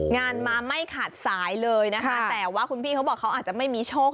งานมาไม่ขาดสายเลยนะคะแต่ว่าคุณพี่เขาบอกเขาอาจจะไม่มีโชค